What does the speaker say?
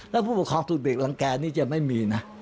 แล้วผู้ปกครองถูกเด็กรังแก่นี่จะไม่มีนะ